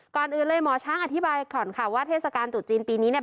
ก่อนอื่นเลยหมอช้างอธิบายก่อนค่ะว่าเทศกาลตรุษจีนปีนี้เนี่ย